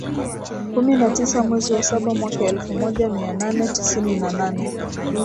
kumi na tisa mwezi wa saba mwaka elfu moja mia nane tisini na nane